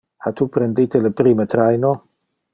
Ha tu prendite le primo traino?